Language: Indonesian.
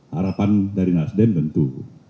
harapan dari nasdem tentu